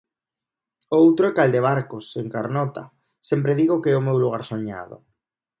O outro é Caldebarcos, en Carnota; sempre digo que é o meu lugar soñado.